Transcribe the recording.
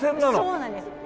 そうなんです。